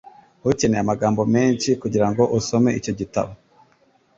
Ukeneye amagambo menshi kugirango usome icyo gitabo.